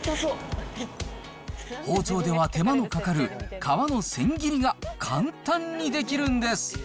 包丁では手間のかかる皮の千切りが簡単にできるんです。